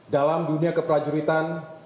dalam dunia keprajuritan